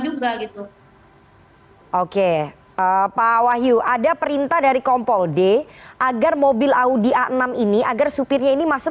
juga gitu oke pak wahyu ada perintah dari kompol d agar mobil audi a enam ini agar supirnya ini masuk